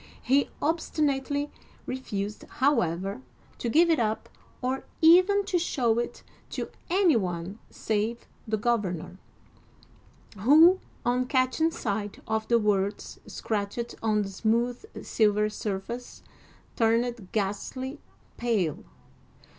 He obstinately refused, however, to give it up or even to show it to any one save the governor, who, on catching sight of the words scratched on the smooth silver surface, turned ghastly pale.